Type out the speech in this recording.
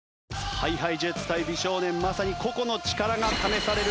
ＨｉＨｉＪｅｔｓ対美少年まさに個々の力が試される